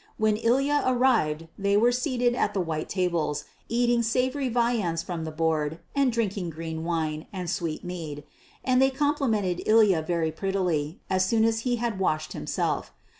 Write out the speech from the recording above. When Ilya arrived they were seated at the white tables eating savoury viands from the board and drinking green wine and sweet mead; and they complimented Ilya very prettily, as soon as he had washed himself.